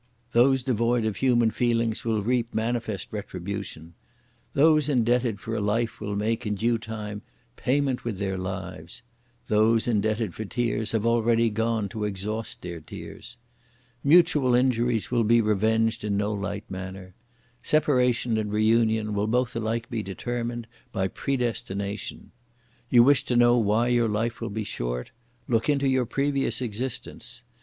those devoid of human feelings will reap manifest retribution! Those indebted for a life will make, in due time, payment with their lives; those indebted for tears have already (gone) to exhaust their tears! Mutual injuries will be revenged in no light manner! Separation and reunion will both alike be determined by predestination! You wish to know why your life will be short; look into your previous existence!